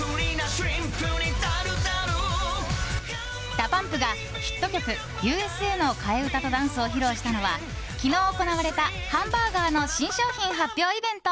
ＤＡＰＵＭＰがヒット曲「Ｕ．Ｓ．Ａ．」の替え歌とダンスを披露したのは昨日行われたハンバーガーの新商品発表イベント。